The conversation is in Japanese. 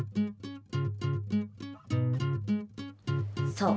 そう。